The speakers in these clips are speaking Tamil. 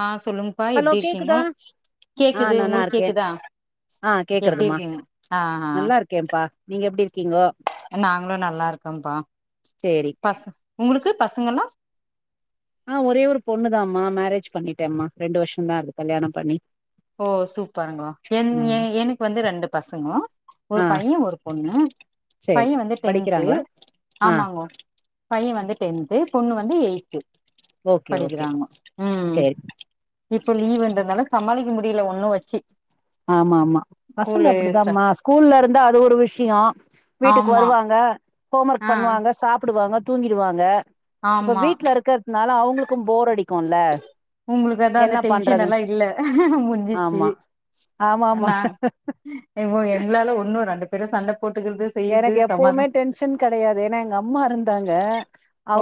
ஆ சொல்லுங்ப்பா ஹலோ எப்டி கேக்குதா இருக்கீங்கோ ஆ கேக்குது நல்லா உங்களுக் இருக்கே கேக்குதா எப்டி இருக்கிங்க ஆ ஆ ஆ ஆ கேப்பா நீங்க எப்டி இருக்கீங்கோ நாங்களு நல்லா இருக்கோபா சேரி பச உங்களுக்கு பசங்கல்லா ஆ ஒரே ஒரு பொண்ணுதா மா மேரேஜ் பண்ணிட்டம்மா ரெண்டு வருஷோ தா ஆர்றது கல்யாணம் பண்ணி ஓ சூப்பருங்கோ என் எ ம் எனக்கு வந்து ரெண்டு பசங்கோ ஒரு ஆ பைய ஒரு பொண்ணு சேரி பைய வந்து டென்து படிக்கிறாங்களா ஆ ஆமாங்கோ பைய வந்து டென்து பொண்ணு வந்து எயி்த்து ஓகே ஓகே படிக்கிறாங்கோ ம் சேரி இப்ப லீவ்ன்றத்னால சமாளிக்க முடியில ஒண்ணு வச்சி ஆமா ஆமா பசங்க ஸ்ட அப்டிதாமா ஸ்கூல்ல இருந்தா அது ஒரு விஷியோ வீட்டுக்கு ஆமா வருவாங்க ஹோம் ஒர்க் ஆ பண்ணுவாங்க சாப்புடுவாங்க தூங்கிடுவாங்க இப்ப ஆமா வீட்ல இருக்கறத்னால அவுங்களுக்கு போர் அடிக்குல்ல உங்களுக்கு அதா அந்த என்ன டென்ஷன் பண்றது எல்லா இல்ல முட்ஞ்சிச்சி ஆமா ஆமா ஆமா நா இப்போ எங்ளால ஒன்னு ரெண்டு பேரு சண்ட போட்டுக்றது எனக்கு எப்பவுமே டென்ஷன் கெடையாது ஏனா எங்க அம்மா இருந்தாங்க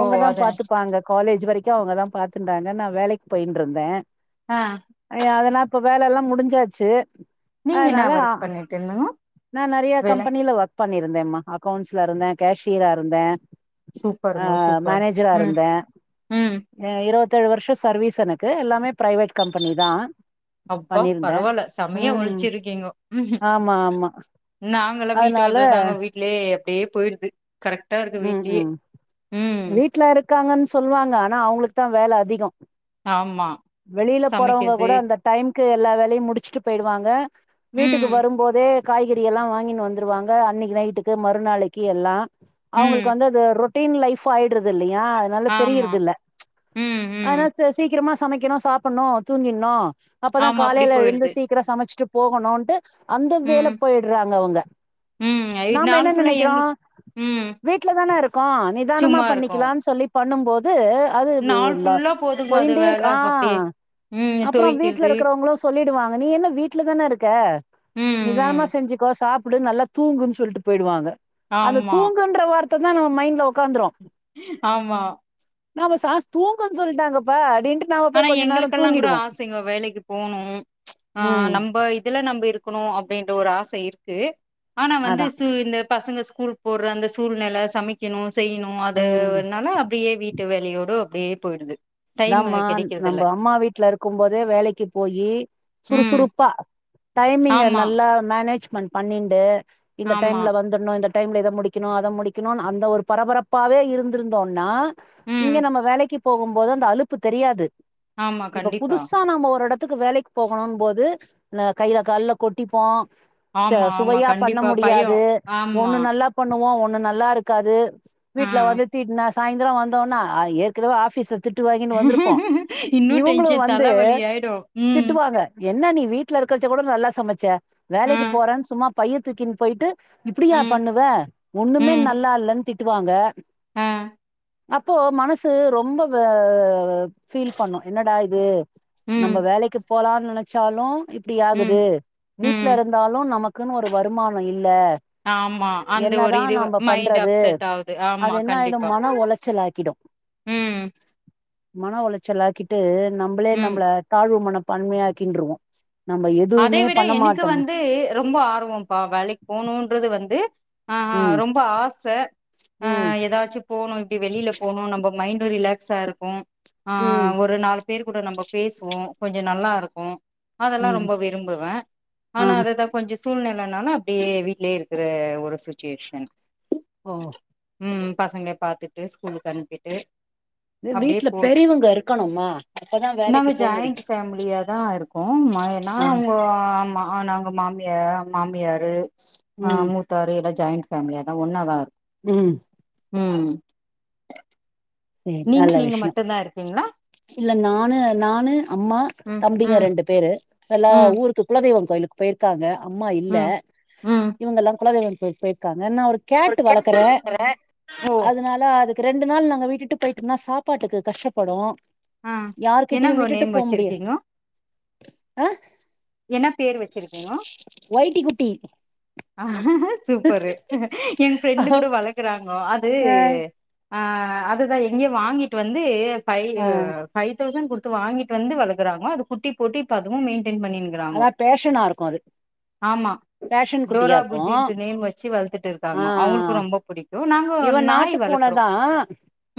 ஓ அது பாத்துப்பாங்க காலேஜ் வரைக்கு அவுங்க தா பாத்துடாங்க நா வேலைக்கு போயின்ருந்த ஆ அ அதெல்லா இப்ப வேல எல்லா முடிஞ்சாச்சி நீங்க என்ன அதனால ஒர்க் பண்ணிட்டு இருந்தீங்க நா நெறைய வேல கம்பெனில ஒர்க் பண்ணியிருந்தேமா அக்கௌண்ட்ஸ்ல இருந்தே கேஷியரா இருந்தே ஆ சூப்பருங்க சூப்பர் மேனேஜரா ம் இருந்த ம் அ இருவத்தேழு வருஷோ சர்வீஸ் எனக்கு எல்லாமே பிரைவேட் கம்பெனி தா அப்பா பண்ணிருந்தே பரவால செம்மையா ம் ஒழ்ச்சிருக்கீங்கோ ஆமா ஆமா நாங்க எல்லா அதனால வீட்டோட தாங்கோ வீட்லயே அப்டியே போய்டுது கரெக்ட்டா இருக்கு வீட்லயே ம் காங்கன் சொல்வாங்க ஆனா அவுங்களுக்கு தா வேல அதிக ஆமா வெளியில போறவங்க சமைக்கிறது கூட அந்த டைம்க்கு எல்லா வேலையு முடிச்சிட்டு போய்டுவாங்க வீட்டுக்கு ம் வரும்போதே காய்கறியெல்லா வாங்கினு வந்துருவாங்க அன்னைக்கு நைட்டுக்கு மறு நாளைக்கு எல்லா ம் அவுங்களுக்கு வந்து அது ரொட் டின் லைப் ஆயிடுறது இல்லையா அதனால ஆமா தெரியிறது இல்ல ம் ம் ஆனா ச சீக்கிரமா சமைக்கனு சாப்புட்னு தூங்கின்னு அப்பதா ஆமா அப்டி காலையில எழுந்து போயிடுது சீக் கிரோ சமச்ட்டு போகனுன்ட்டு அந்த வேல ம் போய்ட்றாங்க அவுங்க ம் இது நாம்ப நாள் என்ன ஃபுல்லா நெனைக்கிறோ எங்க ம் வீட்ல தான இருக்கோ நிதானமா சும்மா இருக்கோ பண்ணிக்கலான் சொல்லி பண்ணும் போது அது நாள் ல ஃபுல்லா போதுங்க அது போயிண்டே இருக் வேல ஆ அப்டியே ம் அப்றோ வீட்ல துவைக்கிறது. இருக்குறவங்களு சொல்லிடுவாங்க நீ என்ன வீட்ல தான இருக்க ம் நிதானமா ம் செஞ்சிக்கோ சாப்புடு நல்லா தூங்குன் சொல்ட்டு போய்டுவாங்க அந்த ஆமா, தூங்குன்ற வார்த்த தா நம்ம மைண்ட்ல ஒக்காந்துரு ஆமா நாம சாஸ் தூங்குன் சொல்ட்டாங்கப்பா அப்டின்ட்டு நாம ஆனா போய் கொஞ்ச நேரோ எங்களுக்கெல்லா கூட தூங்கிடுவோ ஆசைங்க வேலைக்கு போணு ஆ ம் நம்ப இதுல நம்ம இருக் இருக்கணு அப்படின்ற ஒரு ஆச இருக்கு ஆனா வந்து அதா இந்த பசங்க ஸ்கூல் போறஅந்த சூழ்நில சமைக்கணு செய்ணு ம் அதுனால அப்டியே வீட் டு வேலையோடு அப்டியே போயிடுது டைம் நா நம்ம அம்மா வீட்ல இருக்கும் போதே வேலைக்கி போயி ம் சுறுசுறுப்பா டைமிங்க ஆமா, நல்லா மேனேஜ்மன் பண்ணிட்டு இந்த ஆமா. டைம்ல வந்து வந்துனு டைம்ல முடிக்கணு அத முடிக்கணு அந்த ஒரு பரபரப்பாவே இருந்திருந்தோனா ம் இங்க நம்ம வேலைக்கு போ போது அந்த அலப்பு தெரியாது ஆமா இப்ப கண்டிப்பா. புதுசா நம்ம ஒரு இட த்துக்கு வேலைக் போகணுன் போது இந்த கையில கால்ல கொட்டிப்போ ச ஆமா, ஆமா சுவையா பண்ண கண்டிப்பா பயோ. முடியாது ஆமா. ஒண்ணு நல்லா பண்ணுவோ ஒண்ணு நல்லா இருக்காது ஆ வீட்ல வந்து திட்ன சாய்ந்திரம் வந்தோனா அ ஏற்கனவே ஆபிஸ்சு திட்டு வாங்கினு வந்திருப்போ இன்னு இவுங்களு டென்ஷன் வந்து தலவலி ஆயிடு. ம். திட்டுவாங்க என்ன நீ வீட்ல இருக்கிறச்ச கூட நல்லா சமச்ச வேலைக்கு ம், போறன்னு சும்மா பைய தூக்கின்னு போயிட்டு இப்டியா ம், பண்ணுவ ஒண்ணுமே நல்லா இல்லன்னு திட்டுவாங்க ஆ அப்போ மனசு ரொம்ப ஃபீல் பண்ணு என்னடா இது நம்ம ம், வேலைக்கு போலானு நெனச்சாலு இப்டி ம், ஆகுது வீட்ல ம். இருந்தாலு நமக் நமக்குன்னு ஒரு வருமானம் இல்ல ஆமா. அந்த ஒரு என்னதா இது நாம மைண்ட் பண்றது அப்செட் ஆவுது. ஆமா அது என்ன ஆயிடு கண்டிப்பா. மன உளச்சல் ஆக்கிடு ம் மன உளச்சலாக்கிட்டு நம்ளே ம். நம்மள தாழ்வு மனபன்மையாகின்ருவோ நம்ம அதை எதுவுமே விட பண்ண எனக்கு மாட்டோ வந்து ரொம்ப ஆர்வம்ப்பா வேலைக் போணுன்றது வந்து ஆ ம் ரொம்ப ஆச ஆ ம் ஏதாச்சு போனு இப்டி வெளியில போனு நம்ம மைண்ட்டு ரிலாக்ஸா இருக்கு ஆ ம் ஒரு நாள் பத்து பேர் கூட நம்ம பேசுவோ கொஞ்ச நல்லா இருக்கு அதெல்லா ம் ரொம்ப விரும்புவ ஆ ஆனா அததா கொஞ்ச சூழ்நிலனால அப்டியே வீட்லே இருக்கிற ஒரு சுச்சுவேஷன் ஓ ம் பசங்க பார்த்துட்டு ஸ்கூலுக்கு அனுப்பிட்டு இது அப்டியே வீட்ல போது பெரியவங்க இருக்கணுமா அப்பதா வேலைக்கு நாங்க போ ஜாயிண்ட் முடியு ஃபேமிலியாதா இருக் கோ ஏன்னா ஆ அவுங்க நாங்க மாமியார் மாமியாரு ஆ ம் மூத்தாரு எல்லா ஜாயிண்ட்ஃபேமிலிபஸயாதா ஒன்னாதா இருக் ம் ம் ம் நீங்க நல்ல நீங்க விஷயம் மட்டுந்தா இருக்கீங்களா இல்ல நானு நானு அம்மா ம் தம்பிங்க ம் ரெண்டு பேரு எல்லா ம் ஊருக்கு குலதெய்வம் கோயிலுக்கு போயிருக்காங்க அம்மா இல்ல ம் ம் இவங்கலா குலதய்வம் கோயில் போயிருக்காங்க ஏன்னா ஒரு கேட்டு வளர்க்கற ஓ அதனால அதுக்கு ரெண்டு நாள் நாங்க விட் டுட்டு போய்டனா சாப்பாட்டுக்கு கஷ்டப்படு ஆ யாார்கிட்டயு என்னங்கோ விட்டுட்டு நேம் போ முடியு வச்சிருக்கீங்கோ ஆ என்ன பேர் வச்சிருக்கிங்கோ வைட்டிகுட்டி ஆ சூப்பரு எங்க ஆ ஃப்ரெண்டு கூட வளர்க்கறாங்கோ அது ஆ அதுதான் எங்கயோ வாங்கிட்டு வந்து ஃபைவ் ஆ ஃபைவ் தௌசண் குடுத் து வாங்கிட்டு வந்து வளக்குறாங்க அது குட்டி போட்டு இப்ப அதுவும் மெயின்டேன் பண்ணி அதான் பேஷனா இருக்கும் அது ஆமா ஃபேஷன் குட்டியா டோரா இருக்கும் புஜின்ட்டு நேம் வச்சு வளர்த்துட்டு ஆ ஆ இருக்காங்கோ அவங்களுக்கும் ரொம்ப பிடிக்கும் நாங்க இவா நாய் நாட்டு வளர்க்குறோம் பூனைதா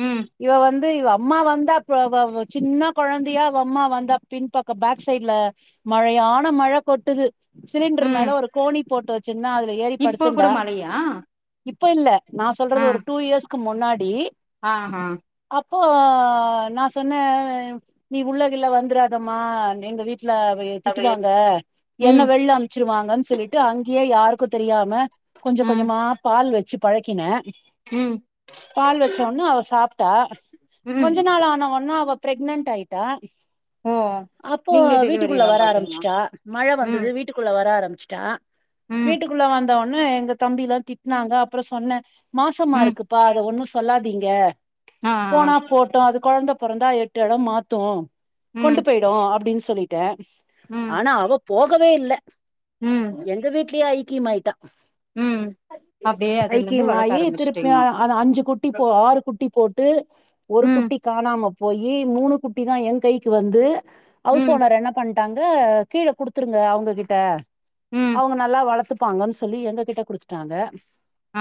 ம் இவா வந்து இவா அம்மா வந்து அப்ப வ வ சின்ன கொழந்தையா அவா அம்மா வந்தா பின்பக்கம் பேக்சைட்ல மழையான மழ கொட்டுது சிலிண்டர் ம் மேல ஒரு கோணி போட்டு வச் சின்னா அதுல ஏறி இப்போ கூட படுத்துன்டா மழையா இப்ப இல்ல நா சொல்றது ஆ ஒரு டூ இயர்ஸ்க்கு முன்னாடி ஆ ஆ அப்போ நா சொன்ன நீ உள்ளகிள்ள வந்துராதம்மா எங்க வீட்டுல அவ திட்டுவாங்க என்ன ம் வெளில அனுப்ச்சிருவாங்கன்னு சொல்லிட்டு அங்கயே யாருக்கும் தெரியாம கொஞ்ச ம் கொஞ்சமா பால் வச்சு பழக்கினேன் ம் பால் வச்ச ஒன்னே அவா சாப்ட்டா ம் கொஞ்ச நாள் ஆனவோன்ன அவா ப்ரெக்னென்ட் ஆயிட்டா ஓ அப்போ நீங்களே டெலிவரி வீட்டுக்குள்ள எல்லாம் வர பாப்பீங்களா ஆரம்பிச்சுட்டா மழ வந்தது ம் வீட் வீட்டுக்குள்ள வர ஆரம்பிச்சிட்டா ம் வீட்டுக்குள்ள வந்த ஒன்னே எங்க தம்பி எல்லாம் திட்டுனாங்க அப்புறம் சொன்ன மாசமா ம் இருக்குப்பா அத ஒண்ணும் சொல்லாதீங்க ஆ ஆ போனா போட்டும் அதுக் கொழந்த பொறந்தா எட்டு எடம் மாத்தும் கொண்டு ம் போயிடும் அப்டின்னு சொல்லிட்டேன் ம் ஆனா அவா போகவே இல்ல ம் எங்க வீட்லயே ஐக்கியம் ஆயிட்டா உம் அப்டியே அதுல இருந்து வளர்க்க ஐக்கியமாயி திருப்பி அ ஆரம்பிச்சுட்டீங்கோ அது அஞ்சு குட்டி போ ஆறு குட்டி போட்டு ஒரு ம் குட்டி காணாம போயி மூணு குட்டி தா என் கைக்கு வந்து ஹவுஸ் ம் ஓனர் என்ன பண் ட்டாங்க கீழ குடுத்துருங்க அவுங்ககிட்ட ம் அவுங்க நல்லா வளத்து ப்பாங்கன் சொல்லி எங்க கிட்ட குடுத்துட்டாங்க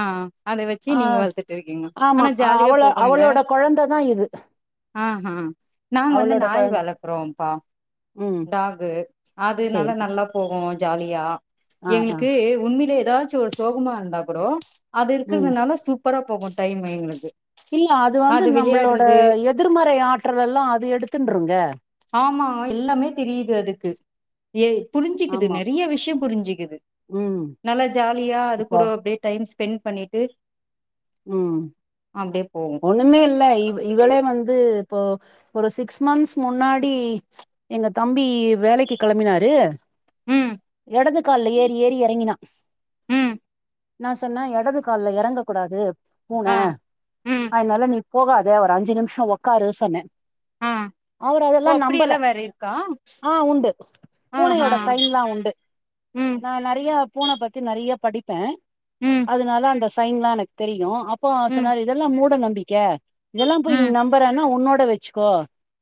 அ ஆ அத வச்சு ஆ நீங்க வளத்துட்டு இருக்கீங்க ஆமா. ஆனா ஜாலியா அவள போகும் இல்ல அவளோட குழந்தை தான் இது. அ ஆ நாங்க வந்து அவளோட நாய் குழந்தை. வளக்குறோம்ப்பா ம். டாகு அதுனால சரி. நல்லா போகும் ஜாலியா ஆ, ஆ. எங்களுக்கு உண்மையிலயே ஏதாச்சும் ஒரு சோகமா இருந்தா கூடோ அது ம். இருக்கிறதுனால சூப்பரா போகும் டைமு எங்களுக்கு இல்ல அது வந்து நம்மளோட எதிர்மறை ஆற்றல எல்லாம் அது எடுத்துன்ருங்க ஆமா எல்லாமே தெரியுது அதுக்கு ஏ புரிஞ்சுக்குது ஆமா. நெறைய விஷயம் புரிஞ்சுக்குது ம். நல்லா ஜாலியா அது இப்போ கூட அப்டியே டைம் ஸ்பெண்ட் பண்ணிட்டு உம் அப்டியே போகு ஒண்ணுமே இல்ல இவ் இவளே வந்து இப்போ ஒரு சிக்ஸ் மந்த்ஸ் முன்னாடி எங்க தம்பி வேலைக்கு கெளம்பினாரு ம் எடது கால்லே ஏறி ஏறி எறங்கினான் ம் நா சொன்ன எடது கால்ல எறங்க கூடாது பூன ஆ ம் அதனால நீ போகாத ஒரு அஞ்சு நிமிஷம் உக்காரு சொன்னே ஆ அவர் ஓ அதெல்லா நம்பல அப்டியெல்லா வேற இருக்கா ஆ உண்டு ஆஹா பூனையோட சைனெல்லா உண்டு ம் நா நெறையா பூன பத்தி நெறையா படிப்ப ம் அதனால அந்த சைன் எல்லா எனக்கு தெரியு அப்ப அவர் ம் சொன்னாரு இதெல்லா மூட நம்பிக்க இதெல்லாம் போய் ம் நீ நம்புறனா உன்னோட வெச்சுக்கோ